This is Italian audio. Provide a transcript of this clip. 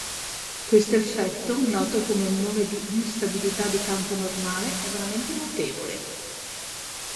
Questo effetto, noto con il nome di instabilità di campo normale, è veramente notevole.